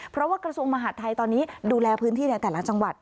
เพราะว่ากระทรวงมหาดไทยตอนนี้ดูแลพื้นที่ในแต่ละจังหวัด